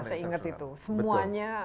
seingat itu semuanya